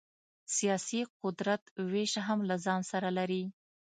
سیاسي قدرت وېش هم له ځان سره لري.